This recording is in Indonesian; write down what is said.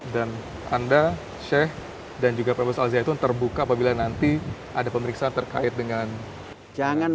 dan anda syekh dan juga pompest al zaitun terbuka apabila nanti ada pemeriksaan terkait dengan